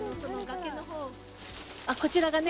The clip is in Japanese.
こちらがね